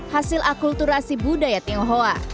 hasil akulturasi budaya tionghoa